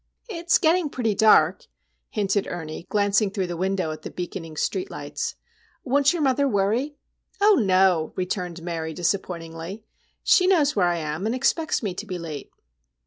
"It's getting pretty dark," hinted Ernie, glancing through the window at the beaconing streetlights. "Won't your mother worry?" "Oh, no," returned Mary, disappointingly. "She knows where I am, and expects me to be late."